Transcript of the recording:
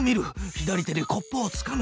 左手でコップをつかむ。